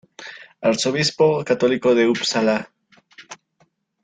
Arzobispo católico de Upsala.